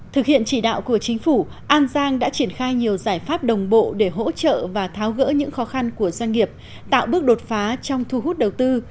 thực hiện chỉ đạo của chính phủ an giang đã triển khai nhiều giải pháp đồng bộ để hỗ trợ và tháo gỡ những khó khăn của doanh nghiệp tạo bước đột phá trong thu hút đầu tư